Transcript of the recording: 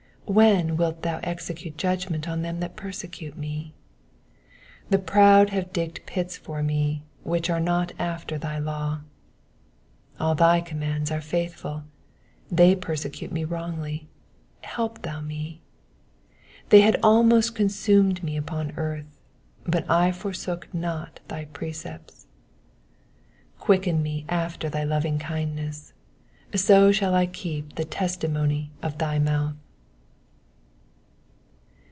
when wilt thou execute judgment on them that persecute me ? 85 The proud have digged pits for me, which are not after thy law. 86 All thy commandments are faithful : they persecute me wrongfully ; help thou me. 87 They had almost consumed me upon earth ; but I forsook not thy precepts. 88 Quicken me after thy lovingkindness ; so shall I keep the testimony of thy mouth.